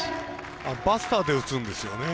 バスターで打つんですよね